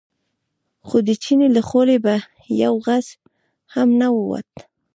خو د چیني له خولې به یو غږ هم نه ووت.